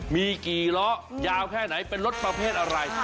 มีกี่ล้อยาวแค่ไหนเป็นรถประเภทอะไร